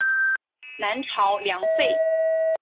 南朝梁废。